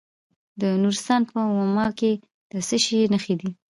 د نورستان په واما کې د څه شي نښې دي؟